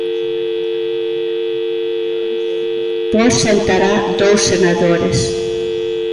Vox sentará dous senadores.